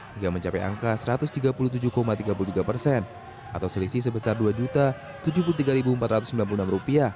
hingga mencapai angka rp satu ratus tiga puluh tujuh tiga puluh tiga persen atau selisih sebesar rp dua tujuh puluh tiga empat ratus sembilan puluh enam